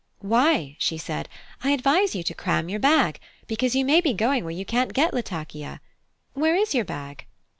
"Why," she said, "I advise you to cram your bag, because you may be going where you can't get Latakia. Where is your bag?"